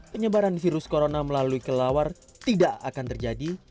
penyebaran virus corona melalui kelelawar tidak akan terjadi